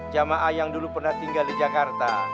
jamaah yang dulu pernah tinggal di jakarta